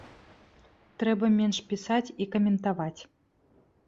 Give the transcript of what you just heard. Трэба менш пісаць і каментаваць.